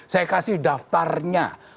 saya kasih daftarnya